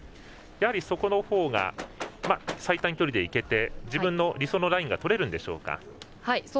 やはりそこのほうが最短距離で行けて自分の理想のラインがとれるんでしょうか。